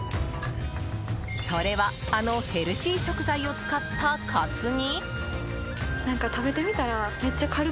それはあのヘルシー食材を使ったかつ煮？